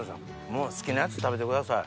もう好きなやつ食べてください